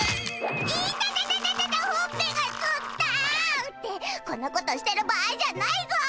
イタタタタタタほっぺがつった！ってこんなことしてる場合じゃないぞ。